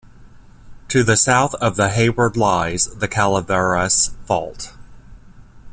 To the south of the Hayward lies the Calaveras Fault.